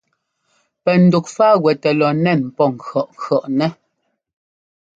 Pɛ ndufáguɛtɛ lɔ nɛ́n pɔ ŋkʉ̈ʼŋkʉ̈ʼnɛ́.